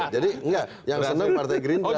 jadi nggak yang senang partai gerindra